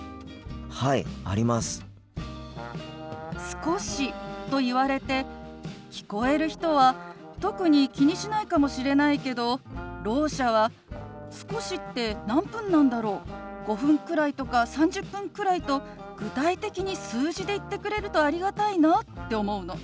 「少し」と言われて聞こえる人は特に気にしないかもしれないけどろう者は「少しって何分なんだろう？『５分くらい』とか『３０分くらい』と具体的に数字で言ってくれるとありがたいな」って思うの。